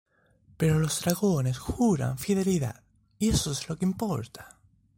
Pero los dragones juran fidelidad y eso es lo que le importa.